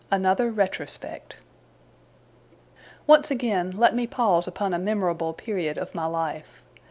ANOTHER RETROSPECT Once again, let me pause upon a memorable period of my life.